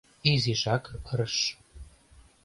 Изишак ырыш.